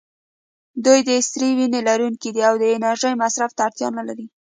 دوی د سړې وینې لرونکي دي او د انرژۍ مصرف ته اړتیا نه لري.